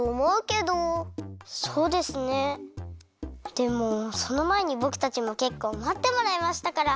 でもそのまえにぼくたちもけっこうまってもらいましたから！